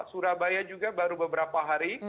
surabaya juga baru beberapa hari